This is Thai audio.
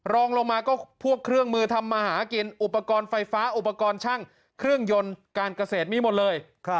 รองลงมาก็พวกเครื่องมือทำมาหากินอุปกรณ์ไฟฟ้าอุปกรณ์ช่างเครื่องยนต์การเกษตรมีหมดเลย